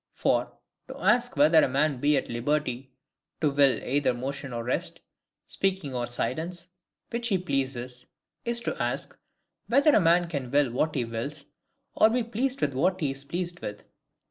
For, to ask whether a man be at liberty to will either motion or rest, speaking or silence, which he pleases, is to ask whether a man can will what he wills, or be pleased with what he is pleased with?